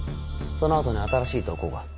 その後に新しい投稿が。